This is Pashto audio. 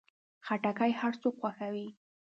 خټکی هر څوک خوښوي.